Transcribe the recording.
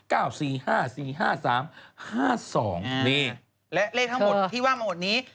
นี่และเลขทั้งหมดที่ว่ามาหมดนี้